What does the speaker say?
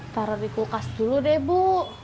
taruh di kulkas dulu deh bu